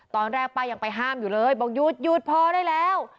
ตอนแรกป้ายังไปห้ามอยู่เลยบอกหยุดหยุดพอได้แล้ว